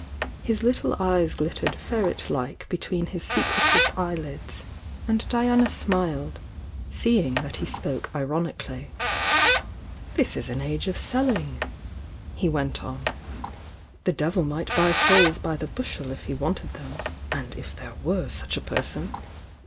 His little eyes glittered ferret like between his se cretive eyelids, and Diana smiled, seeing that he spoke ironically. "This is an age of selling," he went on. "The devil might buy souls by the bushel if he wanted them! — (and :f there were such a person!)